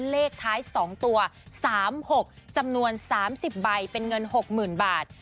เลขท้าย๒ตัว๓๖จำนวน๓๐ใบเป็นเงิน๖๐๐๐บาท